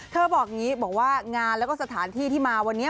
บอกอย่างนี้บอกว่างานแล้วก็สถานที่ที่มาวันนี้